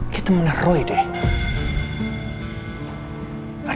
ya temennya roy deh